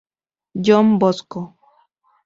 John Bosco.